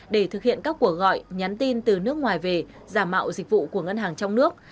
để thực hiện các cuộc gọi nhắn tin từ nước ngoài về giả mạo dịch vụ của ngân hàng trong nước